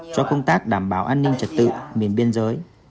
cho công tác đảm bảo an ninh trật tự miền biên giới